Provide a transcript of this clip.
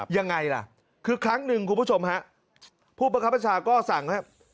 อย่างไรล่ะคือครั้งหนึ่งผู้ประคับอัญชาก็สั่ง